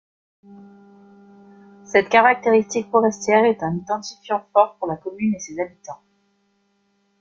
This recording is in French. Cette caractéristique forestière est un identifiant fort pour la commune et ses habitants.